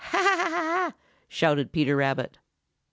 "Ha, ha, ha," shouted Peter Rabbit.